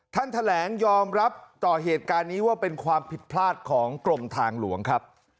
แถลงยอมรับต่อเหตุการณ์นี้ว่าเป็นความผิดพลาดของกรมทางหลวงครับ